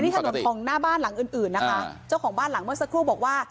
นี่ถนนของหน้าบ้านหลังอื่นอื่นนะคะเจ้าของบ้านหลังเมื่อสักครู่บอกว่า